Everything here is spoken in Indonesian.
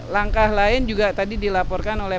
langkah lain juga tadi dilaporkan oleh